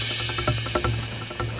mau ke mana dia